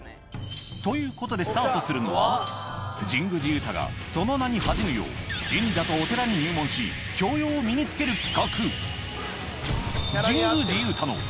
ということでスタートするのは、神宮寺勇太が、その名に恥じぬよう、神社とお寺に入門し、教養を身につける企画。